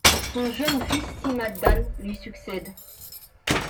Son jeune fils Sima Dan lui succède.